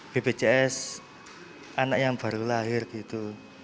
bpjs anak yang baru lahir gitu